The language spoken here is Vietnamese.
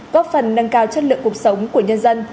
góp phần nâng cao chất lượng cuộc sống của nhân dân